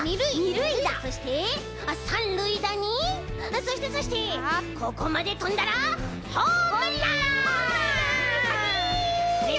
そして３るいだにそしてそしてここまでとんだらホームラン！